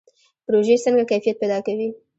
پروژې څنګه کیفیت پیدا کوي؟